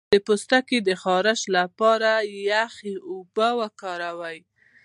د پوستکي د خارښ لپاره د یخ اوبه وکاروئ